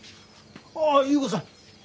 ああっ優子さん。